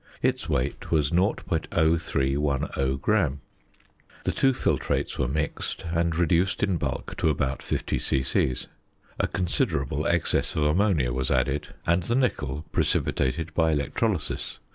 Its weight was 0.0310 gram. The two filtrates were mixed, and reduced in bulk to about 50 c.c.; a considerable excess of ammonia was added, and the nickel precipitated by electrolysis.